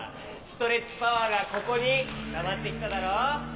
ストレッチパワーがここにたまってきただろ。